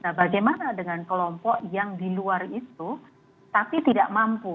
nah bagaimana dengan kelompok yang di luar itu tapi tidak mampu